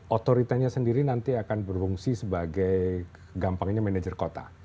otoritanya sendiri nanti akan berfungsi sebagai gampangnya manajer kota